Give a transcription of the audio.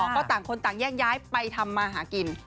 ก็ต่างคนต่างแยกย้ายไปทำมาหากิน